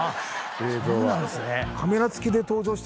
そうなんですね。